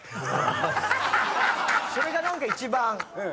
それが何か一番。